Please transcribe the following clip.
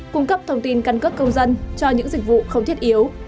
cung cấp thông tin căn cấp công dân cho những dịch vụ không thiết yếu